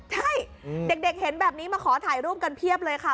ใช่เด็กเห็นแบบนี้มาขอถ่ายรูปกันเพียบเลยค่ะ